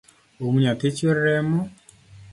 Um nyathi chuer remo